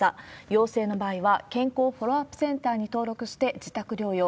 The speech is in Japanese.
陽性の場合は健康フォローアップセンターに登録して、自宅療養。